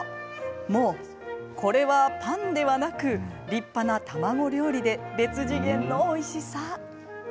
もう、これはパンではなく立派な卵料理で別次元のおいしさ。